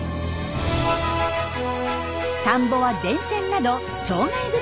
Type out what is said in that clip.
田んぼは電線など障害物だらけ。